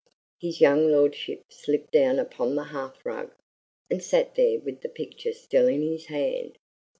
His young lordship slipped down upon the hearth rug, and sat there with the picture still in his hand.